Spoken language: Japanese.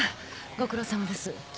ご苦労さまです。